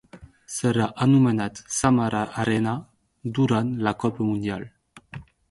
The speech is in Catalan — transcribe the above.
Serà anomenat Samara Arena durant la Copa Mundial.